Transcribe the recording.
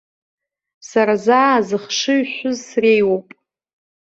Сара заа зыхшыҩ шәыз среиуоуп.